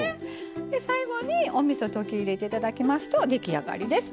で最後におみそ溶き入れていただきますと出来上がりです。